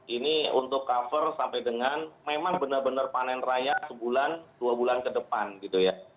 ini untuk cover sampai dengan memang benar benar panen raya sebulan dua bulan ke depan gitu ya